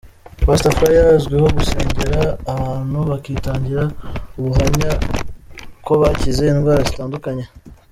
Pastor Fire azwiho gusengera abantu bakitangira ubuhamya ko bakize indwara zitandukanye.